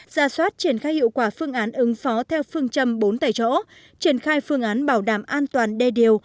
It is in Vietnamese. gia soát triển khai hiệu quả phương án ứng phó theo phương châm bốn tài chỗ triển khai phương án bảo đảm an toàn đe điều